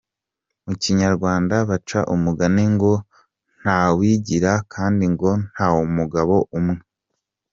Mu Kinyarwanda baca umugani ngo ntawigira kandi ngo ntamugabo umwe.